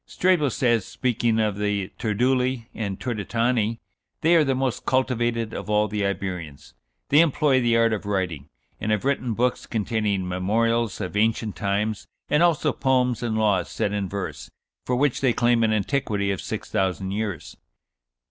Strabo says, speaking of the Turduli and Turdetani, "they are the most cultivated of all the Iberians; they employ the art of writing, and have written books containing memorials of ancient times, and also poems and laws set in verse, for which they claim an antiquity of six thousand years."